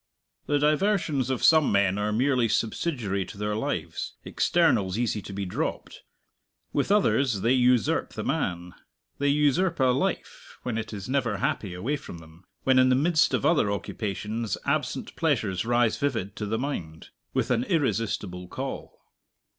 The diversions of some men are merely subsidiary to their lives, externals easy to be dropped; with others they usurp the man. They usurp a life when it is never happy away from them, when in the midst of other occupations absent pleasures rise vivid to the mind, with an irresistible call.